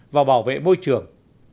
và bảo vệ môi trường